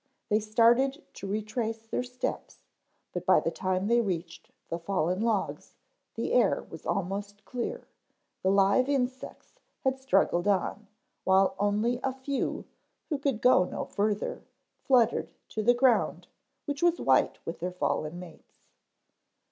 They started to retrace their steps but by the time they reached the fallen logs, the air was almost clear, the live insects had struggled on, while only a few who could go no further, fluttered to the ground, which was white with their fallen mates.